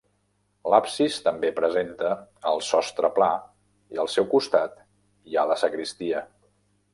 L'absis també presenta el sostre pla i al seu costat hi ha la sagristia.